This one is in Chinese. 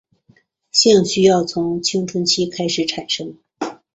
性需求从青春期开始产生。